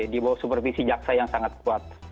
dibawa supervisi jaksa yang sangat kuat